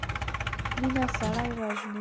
مينه سړی وژني.